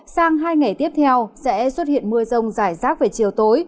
sang hai ngày tiếp theo sẽ xuất hiện mưa rông rải rác về chiều tối